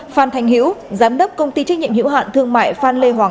phan thành hữu giám đốc công ty trách nhiệm hiểu hạn thương mại phan lê hoàng